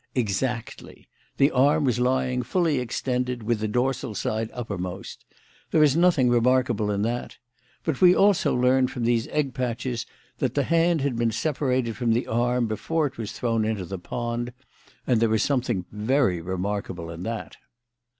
"Exactly. The arm was lying, fully extended, with the dorsal side uppermost. There is nothing remarkable in that. But we also learn from these egg patches that the hand had been separated from the arm before it was thrown into the pond; and there is something very remarkable in that."